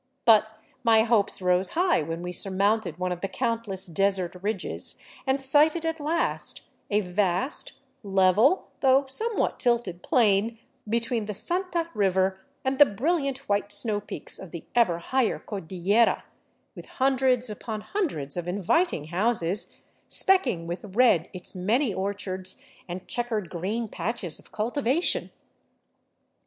But my hopes rose high when we surmounted one of the countless desert ridges and sighted at last a vast, level, though somewhat tilted plain between the Santa river and the brilliant white snow peaks of the ever higher Cor dillera, with hundreds upon hundreds of inviting houses specking with red its many orchards and checkered green patches of cultivation.